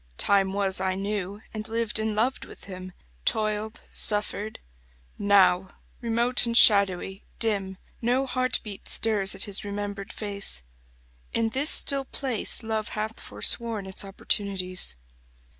Time was I knew, and lived and loved with him; Toiled, suffered. Now, remote and shadowy, dim, No heartbeat stirs at his remembered face. In this still place Love hath forsworn its opportunities.